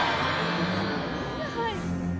はい。